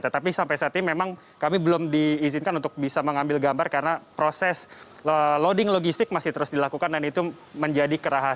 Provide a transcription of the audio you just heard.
tetapi sampai saat ini memang kami belum diizinkan untuk bisa mengambil gambar karena proses loading logistik masih terus dilakukan dan itu menjadi kerahasiaan